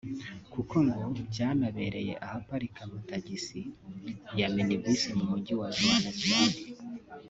kuko ngo byanabereye ahaparika amatagisi ya minibus mu Mujyi wa Johannesburg